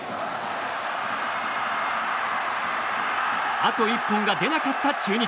あと１本が出なかった中日。